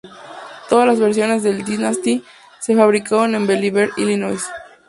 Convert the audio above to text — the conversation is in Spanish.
Todas las versiones del Dynasty se fabricaron en Belvidere, Illinois.